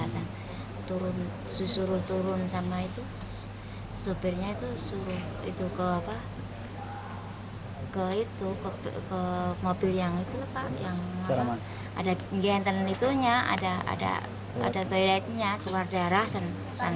saya turun suruh turun sama itu sopirnya itu suruh ke mobil yang itu ada toiletnya keluar daerah